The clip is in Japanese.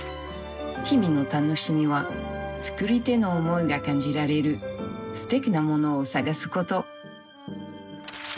日々の楽しみは作り手の思いが感じられるすてきなものを探すこと。